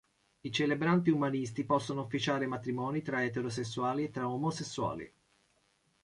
I celebranti umanisti possono officiare matrimoni tra eterosessuali e tra omosessuali.